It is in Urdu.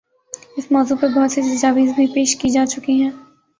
اس موضوع پہ بہت سی تجاویز بھی پیش کی جا چکی ہیں۔